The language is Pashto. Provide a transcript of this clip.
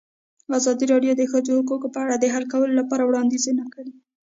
ازادي راډیو د د ښځو حقونه په اړه د حل کولو لپاره وړاندیزونه کړي.